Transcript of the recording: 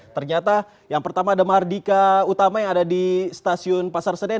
ternyata yang pertama ada mardika utama yang ada di stasiun pasar senen